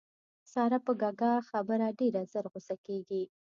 ساره په کږه خبره ډېره زر غوسه کېږي.